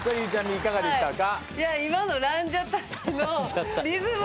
いかがでしたか？